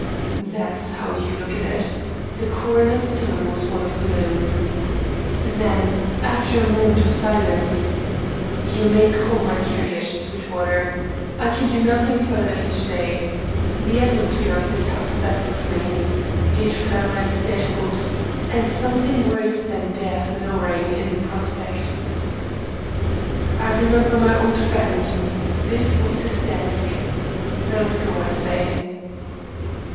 "That's how you look at it?" The coroner's tone was one of gloom. Then, after a moment of silence: "You may call my carriage, Sweetwater. I can do nothing further here to day. The atmosphere of this house stifles me. Dead flowers, dead hopes, and something worse than death lowering in the prospect. I remember my old friend this was his desk. Let us go, I say."